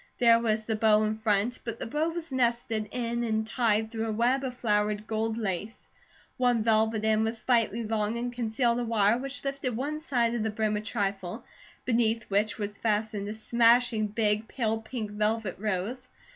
There was a bow in front, but the bow was nested in and tied through a web of flowered gold lace. One velvet end was slightly long and concealed a wire which lifted one side of the brim a trifle, beneath which was fastened a smashing big, pale pink velvet rose.